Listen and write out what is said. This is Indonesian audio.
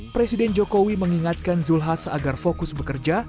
presiden jokowi mengingatkan zulhas agar fokus bekerja